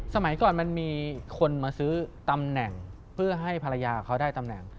สมัยก่อนมันมีคนมาซื้อตำแหน่งเพื่อให้ภรรยาเขาได้ตำแหน่ง